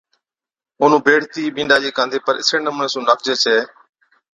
اونَھُون بيھيڙِتِي بِينڏا چي ڪانڌي پر اِسڙي نمُوني سُون ناکجي ڇَي